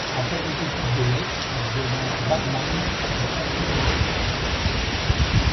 Après des études de lettres, il devient barman, puis patron de bar.